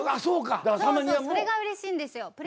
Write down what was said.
そうそうそれがうれしいんですよ。